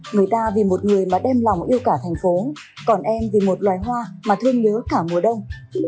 người ta vì một người mà đem lòng yêu cả thành phố còn em vì một loài hoa mà thương nhớ cả mùa đông